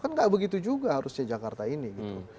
kan nggak begitu juga harusnya jakarta ini gitu